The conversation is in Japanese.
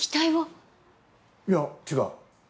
いや違う。